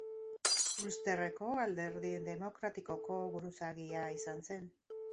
Ulsterreko Alderdi Demokratikoko buruzagia izan zen.